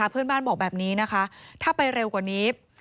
เพื่อนบ้านบอกแบบนี้นะคะถ้าไปเร็วกว่านี้